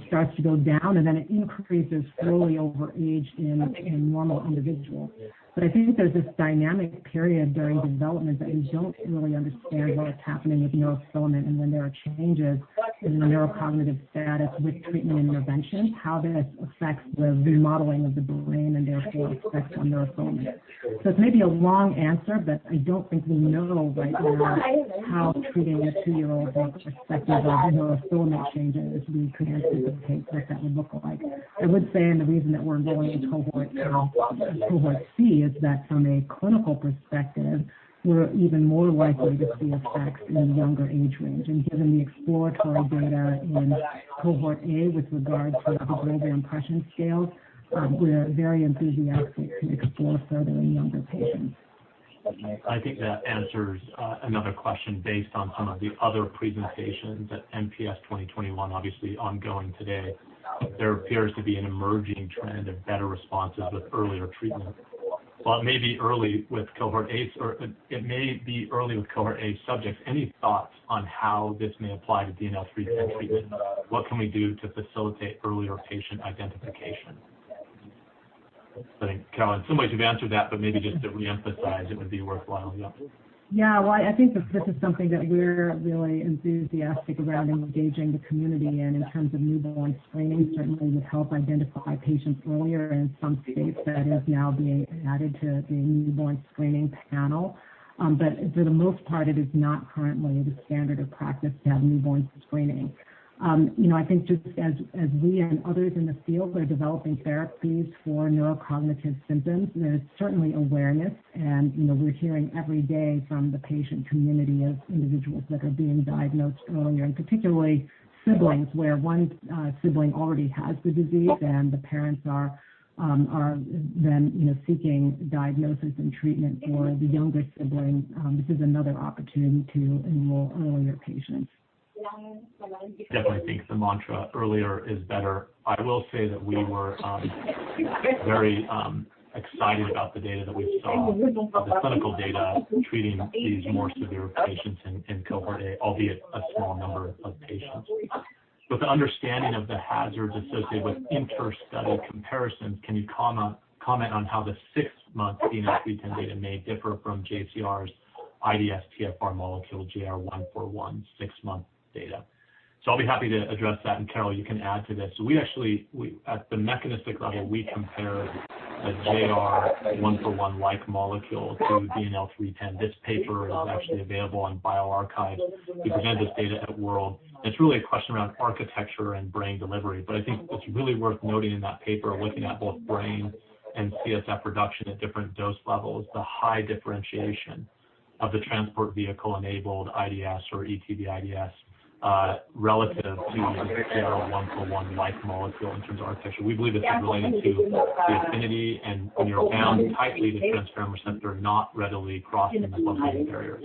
starts to go down, and then it increases slowly over age in a normal individual. I think there's this dynamic period during development that we don't really understand what is happening with neurofilament and when there are changes in the neurocognitive status with treatment intervention, how this affects the remodeling of the brain and therefore effects on neurofilament. It's maybe a long answer, I don't think we know right now how treating a two-year-old with respective neurofilament changes, we could anticipate what that would look like. I would say, the reason that we're going to Cohort A and Cohort C is that from a clinical perspective, we're even more likely to see effects in the younger age range. Given the exploratory data in Cohort A with regard to the behavioral impression scales, we're very enthusiastic to explore further in younger patients. I think that answers another question based on some of the other presentations at MPS 2021, obviously ongoing today. There appears to be an emerging trend of better responses with earlier treatment. While it may be early with Cohort A subjects, any thoughts on how this may apply to DNL310 treatment? What can we do to facilitate earlier patient identification? I think, Carole, in some ways you've answered that, but maybe just to reemphasize, it would be worthwhile. Yeah. Well, I think this is something that we're really enthusiastic around engaging the community in in terms of newborn screening certainly would help identify patients earlier. In some states, that has now been added to the newborn screening panel. For the most part, it is not currently the standard of practice to have newborn screening. I think just as we and others in the field are developing therapies for neurocognitive symptoms, there's certainly awareness, and we're hearing every day from the patient community of individuals that are being diagnosed earlier, and particularly siblings, where one sibling already has the disease and the parents are then seeking diagnosis and treatment for the younger sibling. This is another opportunity to enroll earlier patients. Definitely think the mantra earlier is better. I will say that we were very excited about the data that we saw, the clinical data treating these more severe patients in Cohort A, albeit a small number of patients. With the understanding of the hazards associated with inter-study comparisons, can you comment on how the six-month DNL310 data may differ from JCR's IDS-TFR molecule JR-141 six-month data. I'll be happy to address that, and Carole, you can add to this. At the mechanistic level, we compare a JR-141-like molecule to DNL310. This paper is actually available on bioRxiv. We presented this data at World. It's really a question around architecture and brain delivery. I think what's really worth noting in that paper, looking at both brain and CSF reduction at different dose levels, the high differentiation of the Transport Vehicle enabled IDS or ETV:IDS, relative to JR-141-like molecule in terms of architecture. We believe it's related to the affinity and when you're bound tightly to the transferrin receptor not readily crossing the blood-brain barrier.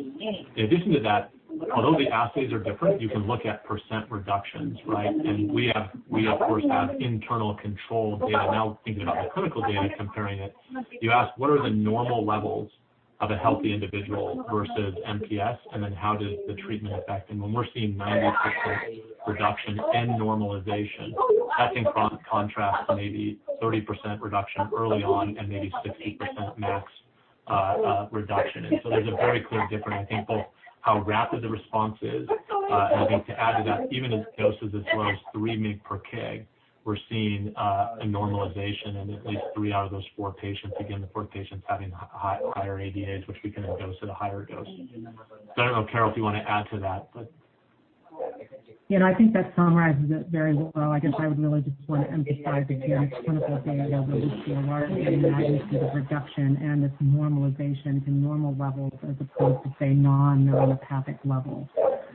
In addition to that, although the assays are different, you can look at percent reductions, right? We, of course, have internal control data. Now, thinking about the clinical data, comparing it, you ask what are the normal levels of a healthy individual versus MPS, and then how does the treatment affect? When we're seeing 90% reduction and normalization, that's in contrast to maybe 30% reduction early on and maybe 60% max reduction. There's a very clear difference, I think, both how rapid the response is. I think to add to that, even at doses as low as 3 mg/kg, we're seeing a normalization in at least three out of those four patients. The four patients having higher ADAs, which we can dose at a higher dose. I don't know, Carole, if you want to add to that. I think that summarizes it very well. I guess I would really just want to emphasize again, it's clinical data where we see a large magnitude of reduction and this normalization to normal levels as opposed to, say, non-neuropathic levels.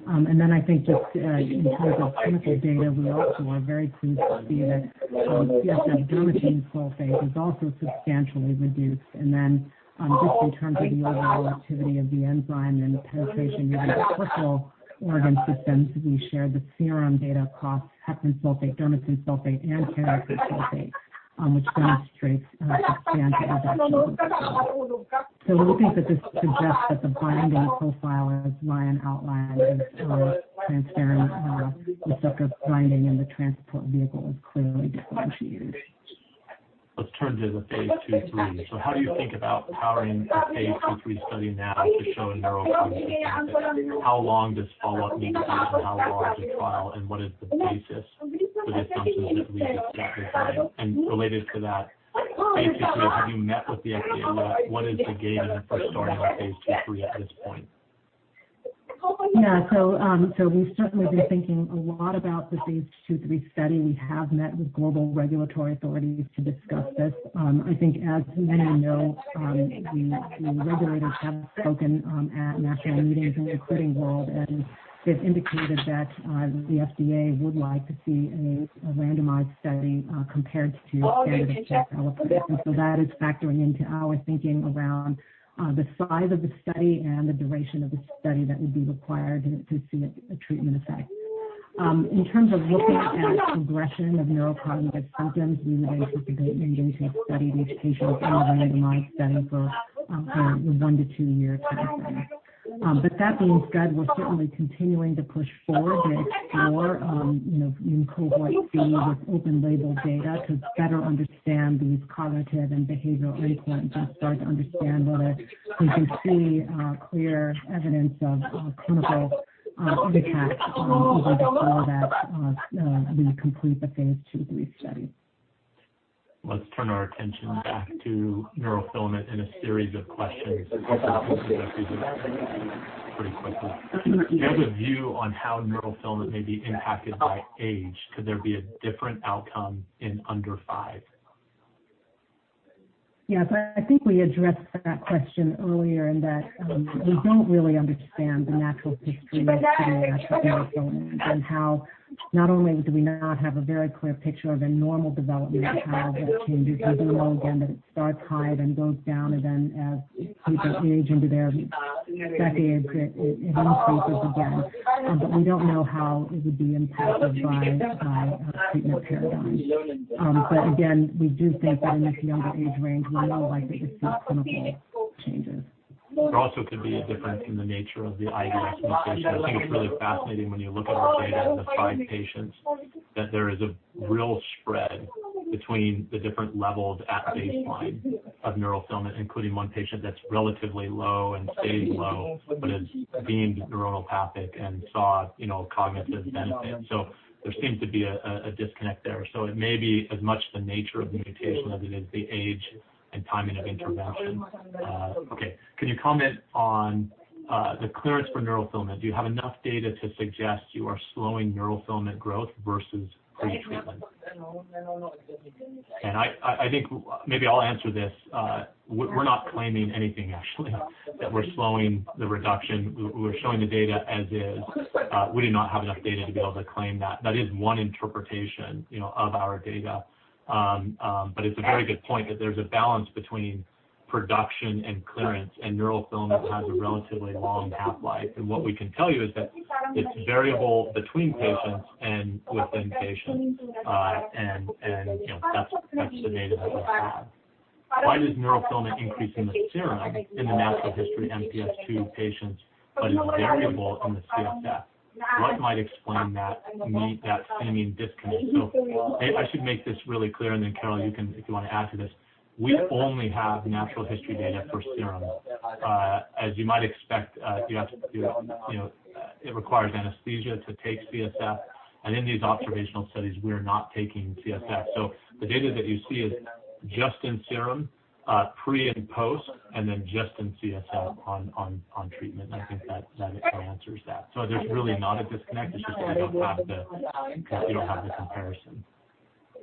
Then I think just in terms of clinical data, we also are very pleased to see that CSF dermatan sulfate is also substantially reduced. Then just in terms of the overall activity of the enzyme and the penetration into peripheral organ systems, we share the serum data across heparan sulfate, dermatan sulfate, and keratan sulfate, which demonstrates expanded activity. We think that this suggests that the binding profile, as Ryan outlined, is sort of transparent. The receptor binding and the Transport Vehicle is clearly differentiated. Let's turn to the phase II/III. How do you think about powering a phase II/III study now to show neurocognitive benefits? How long does follow-up need to be, and how large a trial, and what is the basis for the assumptions that we just discussed? Related to that, phase II/III, have you met with the FDA yet? What is the gain in first starting a phase II/III at this point? Yeah. We've certainly been thinking a lot about the phase II/III study. We have met with global regulatory authorities to discuss this. I think as many of you know, the regulators have spoken at national meetings, including WORLDSymposium, and they've indicated that the FDA would like to see a randomized study, compared to standard of care ELAPRASE. That is factoring into our thinking around the size of the study and the duration of the study that would be required to see a treatment effect. In terms of looking at progression of neurocognitive symptoms, we would anticipate engaging a study of these patients in a randomized setting for a one to two year timeframe. That being said, we're certainly continuing to push forward with our in Cohort C with open label data to better understand these cognitive and behavioral endpoints and start to understand whether we can see clear evidence of clinical impact even before that we complete the phase II/III study. Let's turn our attention back to neurofilament in a series of questions that we can get through pretty quickly. Do you have a view on how neurofilament may be impacted by age? Could there be a different outcome in under five? Yeah. I think we addressed that question earlier in that we don't really understand the natural history of pediatric neurofilament and how not only do we not have a very clear picture of a normal development of how that changes. We do know, again, that it starts high, then goes down, and then as people age into their second decade, it increases again. We don't know how it would be impacted by a treatment paradigm. Again, we do think that in this younger age range, we're more likely to see clinical changes. There also could be a difference in the nature of the IDS mutation. I think it's really fascinating when you look at our data in the five patients, that there is a real spread between the different levels at baseline of neurofilament, including one patient that's relatively low and stays low, but is deemed neuropathic and saw cognitive benefit. There seems to be a disconnect there. It may be as much the nature of the mutation as it is the age and timing of intervention. Okay. Can you comment on the clearance for neurofilament? Do you have enough data to suggest you are slowing neurofilament growth versus pre-treatment? I think maybe I'll answer this. We're not claiming anything, actually, that we're slowing the reduction. We're showing the data as is. We do not have enough data to be able to claim that. That is one interpretation of our data. It's a very good point that there's a balance between production and clearance, and neurofilament has a relatively long half-life. What we can tell you is that it's variable between patients and within patients. That's the data that we have. Why does neurofilament increase in the serum in the natural history MPS II patients but is variable in the CSF? What might explain that seeming disconnect? I should make this really clear, and then Carole, if you want to add to this, we only have natural history data for serum. As you might expect, it requires anesthesia to take CSF, and in these observational studies, we're not taking CSF. The data that you see is just in serum, pre and post, and then just in CSF on treatment. I think that answers that. There's really not a disconnect, it's just that we don't have the comparison.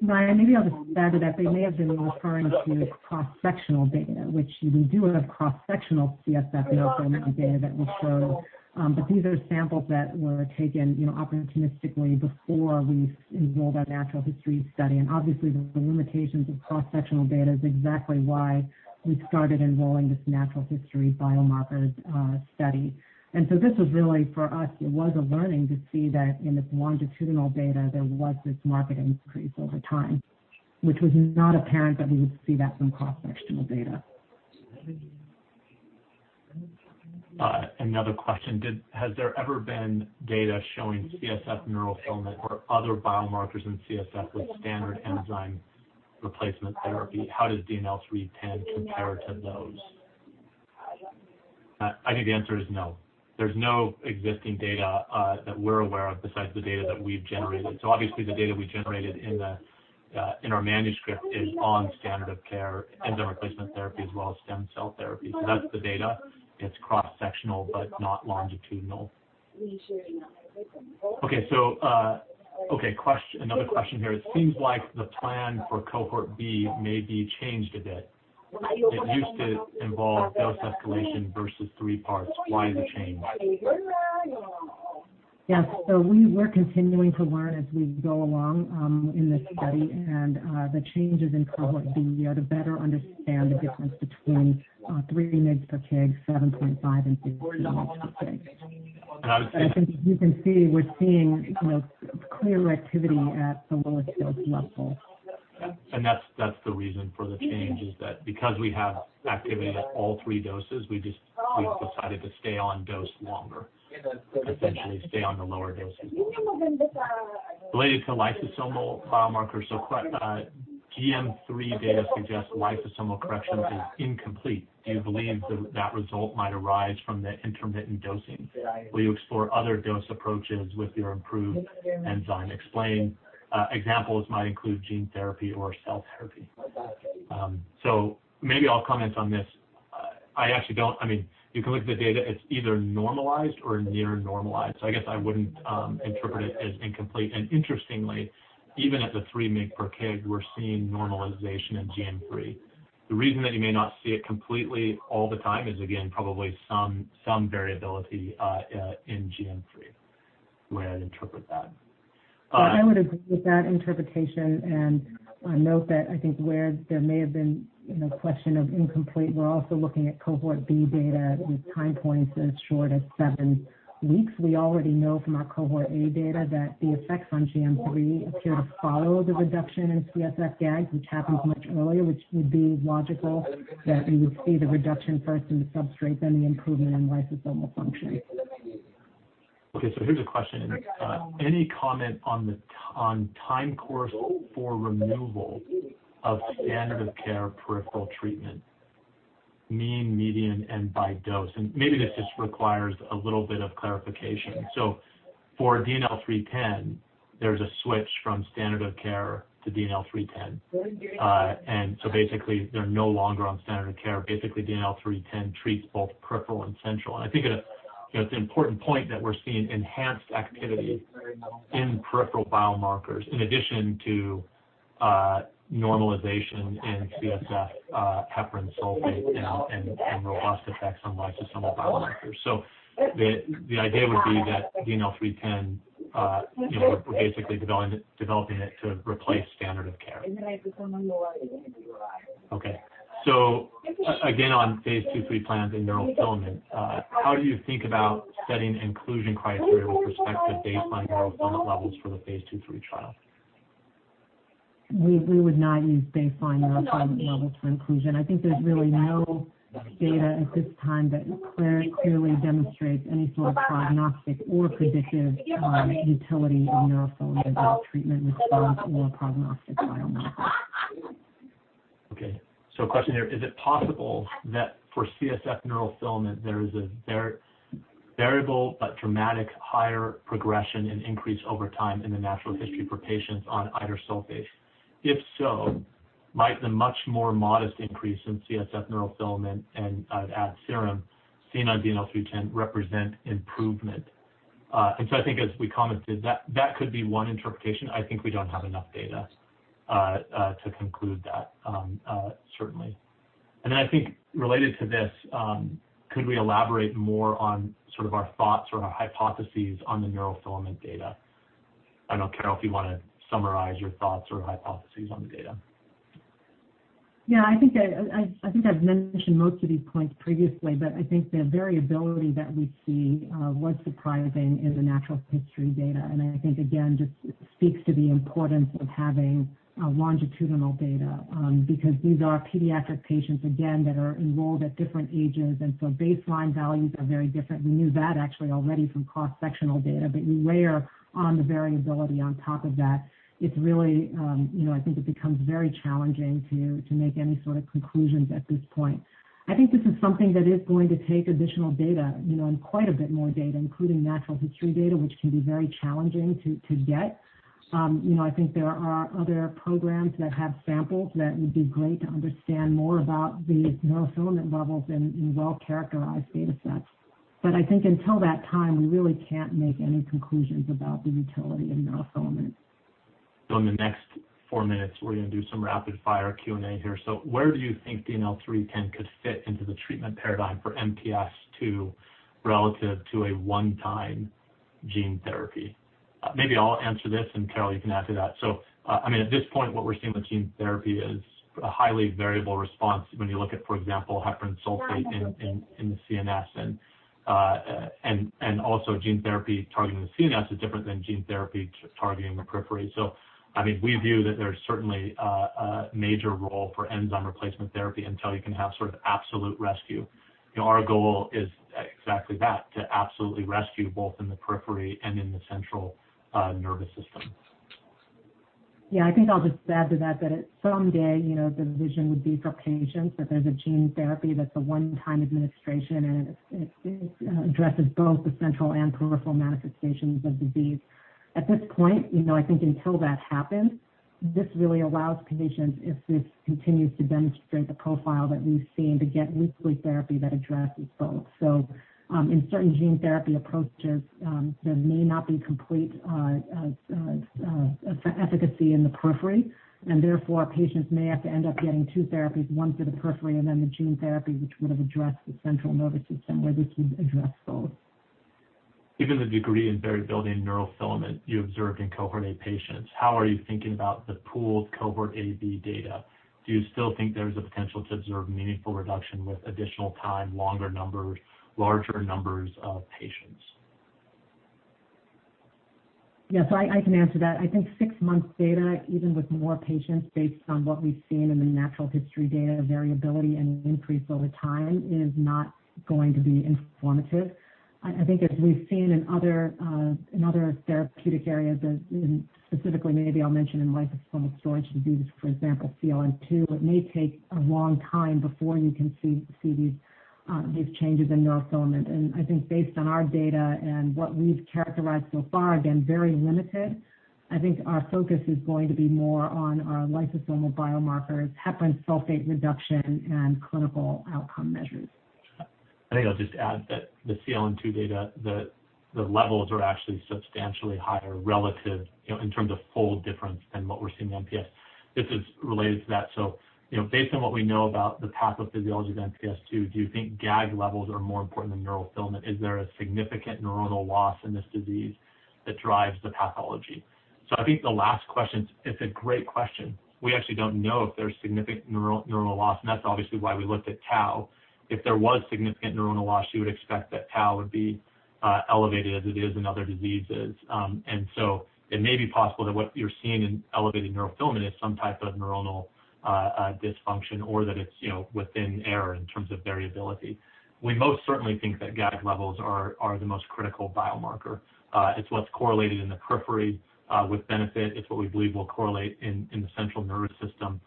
Ryan, maybe I'll just add to that. They may have been referring to cross-sectional data, which we do have cross-sectional CSF neurofilament data that we show. These are samples that were taken opportunistically before we enrolled our natural history study. Obviously, the limitations of cross-sectional data is exactly why we started enrolling this natural history biomarkers study. This was really, for us, it was a learning to see that in this longitudinal data, there was this marked increase over time, which was not apparent that we would see that from cross-sectional data. Another question. Has there ever been data showing CSF neurofilament or other biomarkers in CSF with standard enzyme replacement therapy? How does DNL310 compare to those? I think the answer is no. There's no existing data that we're aware of besides the data that we've generated. Obviously the data we generated in our manuscript is on standard of care enzyme replacement therapy as well as stem cell therapy. That's the data. It's cross-sectional but not longitudinal. Another question here. It seems like the plan for Cohort B may be changed a bit. It used to involve dose escalation versus three parts. Why the change? Yes. We're continuing to learn as we go along in this study and the changes in Cohort B are to better understand the difference between 3 mg/kg, 7.5 mg/kg and 6 mg/kg. And I would say. I think as you can see, we're seeing clear activity at the lowest dose level. Yeah. That's the reason for the change, is that because we have activity at all three doses, we've decided to stay on dose longer. Essentially stay on the lower doses longer. Related to lysosomal biomarkers. GM3 data suggests lysosomal correction is incomplete. Do you believe that that result might arise from the intermittent dosing? Will you explore other dose approaches with your improved enzyme? Examples might include gene therapy or cell therapy. Maybe I'll comment on this. You can look at the data, it's either normalized or near normalized. I guess I wouldn't interpret it as incomplete. Interestingly, even at the 3 mg/kg, we're seeing normalization in GM3. The reason that you may not see it completely all the time is, again, probably some variability in GM3, the way I'd interpret that. Well, I would agree with that interpretation. Note that I think where there may have been a question of incomplete, we are also looking at Cohort B data with time points as short as seven weeks. We already know from our Cohort A data that the effects on GM3 appear to follow the reduction in CSF GAG, which happens much earlier, which would be logical, that we would see the reduction first in the substrate, then the improvement in lysosomal function. Okay, here's a question. Any comment on time course for removal of standard of care peripheral treatment, mean, median, and by dose? Maybe this just requires a little bit of clarification. For DNL310, there's a switch from standard of care to DNL310. Basically, they're no longer on standard of care. Basically, DNL310 treats both peripheral and central. I think it's an important point that we're seeing enhanced activity in peripheral biomarkers in addition to normalization in CSF heparan sulfate and robust effects on lysosomal biomarkers. The idea would be that DNL310, we're basically developing it to replace standard of care. Okay. Again, on phase II/III plans in neurofilament, how do you think about setting inclusion criteria with respect to baseline neurofilament levels for the phase II/III trial? We would not use baseline neurofilament levels for inclusion. I think there's really no data at this time that clearly demonstrates any sort of prognostic or predictive utility of neurofilament as a treatment response or a prognostic biomarker. Okay. A question here. Is it possible that for CSF neurofilament, there is a variable but dramatic higher progression and increase over time in the natural history for patients on idursulfase? If so, might the much more modest increase in CSF neurofilament and I'd add serum, seeing on DNL310 represent improvement? I think as we commented, that could be one interpretation. I think we don't have enough data to conclude that certainly. I think related to this, could we elaborate more on sort of our thoughts or our hypotheses on the neurofilament data? I don't know, Carole, if you want to summarize your thoughts or hypotheses on the data Yeah, I think I've mentioned most of these points previously, but I think the variability that we see was surprising in the natural history data. I think, again, just speaks to the importance of having longitudinal data, because these are pediatric patients, again, that are enrolled at different ages, and so baseline values are very different. We knew that actually already from cross-sectional data, but you layer on the variability on top of that. I think it becomes very challenging to make any sort of conclusions at this point. I think this is something that is going to take additional data, and quite a bit more data, including natural history data, which can be very challenging to get. I think there are other programs that have samples that would be great to understand more about the neurofilament levels in well-characterized data sets. I think until that time, we really can't make any conclusions about the utility of neurofilament. In the next four minutes, we're going to do some rapid-fire Q&A here. Where do you think DNL310 could fit into the treatment paradigm for MPS II relative to a one-time gene therapy? Maybe I'll answer this, and Carole, you can add to that. At this point, what we're seeing with gene therapy is a highly variable response when you look at, for example, heparan sulfate in the CNS. Also gene therapy targeting the CNS is different than gene therapy targeting the periphery. We view that there's certainly a major role for enzyme replacement therapy until you can have sort of absolute rescue. Our goal is exactly that, to absolutely rescue both in the periphery and in the central nervous system. Yeah, I think I'll just add to that someday, the vision would be for patients that there's a gene therapy that's a one-time administration, and it addresses both the central and peripheral manifestations of disease. At this point, I think until that happens, this really allows clinicians, if this continues to demonstrate the profile that we've seen, to get weekly therapy that addresses both. In certain gene therapy approaches, there may not be complete efficacy in the periphery, and therefore, patients may have to end up getting two therapies, one for the periphery and then the gene therapy, which would have addressed the central nervous system, where this would address both. Given the degree in variability in neurofilament you observed in Cohort A patients, how are you thinking about the pooled Cohort AB data? Do you still think there's a potential to observe meaningful reduction with additional time, larger numbers of patients? Yes, I can answer that. I think six months data, even with more patients, based on what we've seen in the natural history data, variability and increase over time is not going to be informative. I think as we've seen in other therapeutic areas, specifically maybe I'll mention in lysosomal storage disease, for example, CLN2, it may take a long time before you can see these changes in neurofilament. I think based on our data and what we've characterized so far, again, very limited, I think our focus is going to be more on our lysosomal biomarkers, heparan sulfate reduction, and clinical outcome measures. I think I'll just add that the CLN2 data, the levels are actually substantially higher relative, in terms of fold difference than what we're seeing in MPS. This is related to that. Based on what we know about the pathophysiology of MPS II, do you think GAG levels are more important than neurofilament? Is there a significant neuronal loss in this disease that drives the pathology? I think the last question, it's a great question. We actually don't know if there's significant neuronal loss, and that's obviously why we looked at tau. If there was significant neuronal loss, you would expect that tau would be elevated as it is in other diseases. It may be possible that what you're seeing in elevated neurofilament is some type of neuronal dysfunction or that it's within error in terms of variability. We most certainly think that GAG levels are the most critical biomarker. It's what's correlated in the periphery with benefit. It's what we believe will correlate in the central nervous system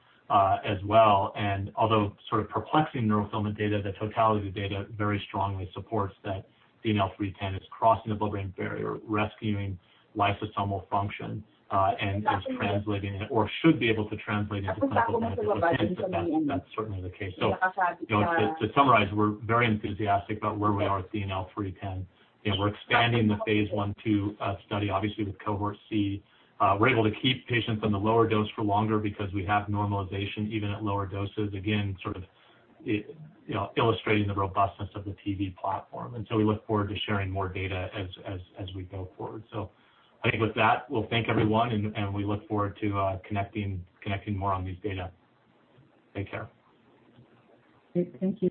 as well. Although sort of perplexing neurofilament data, the totality of the data very strongly supports that DNL310 is crossing the blood-brain barrier, rescuing lysosomal function, and is translating or should be able to translate into clinical benefit. We think that that's certainly the case. To summarize, we're very enthusiastic about where we are with DNL310, and we're expanding the phase I/II study, obviously with Cohort C. We're able to keep patients on the lower dose for longer because we have normalization even at lower doses, again, sort of illustrating the robustness of the TV platform. We look forward to sharing more data as we go forward. I think with that, we'll thank everyone, and we look forward to connecting more on these data. Take care. Great. Thank you.